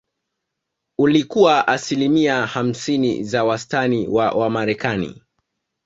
Ulikuwa asilimia hamsini za wastani wa Wamarekani